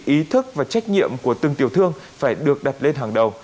ý thức và trách nhiệm của từng tiểu thương phải được đặt lên hàng đầu